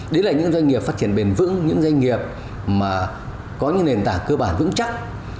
đấy là những doanh nghiệp phát triển bền vững những doanh nghiệp mà có những nền tảng cơ bản vững chắc